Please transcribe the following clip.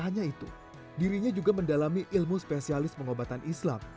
namun dirinya juga mendalami ilmu spesialis pengobatan islam